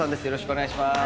お願いします。